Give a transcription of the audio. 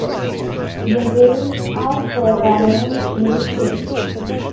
The rings are further arranged into chains.